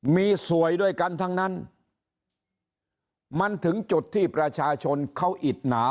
มีสวยด้วยกันทั้งนั้นมันถึงจุดที่ประชาชนเขาอิดหนา